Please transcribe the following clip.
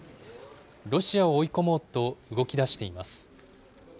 ロシアを追い込もうと動きだしています。